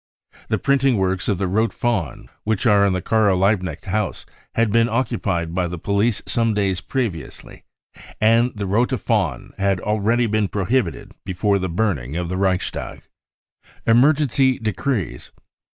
The printing works of the Rote Fahne which are in the Karl Liehknecht house had been occupied by the police some days previously, and the Rote Fahne had already been prohibited before the burning of the Reichstag. Emergency Decrees.